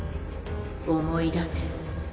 思い出せ。